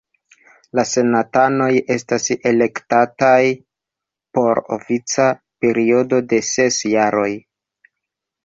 La senatanoj estas elektataj por ofica periodo de ses jaroj.